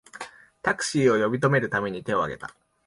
タクシーを呼び止めるために手をあげた